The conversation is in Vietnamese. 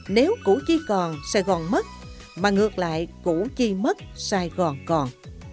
nếu củ chi còn sài gòn mất mà ngược lại củ chi mất sài gòn còn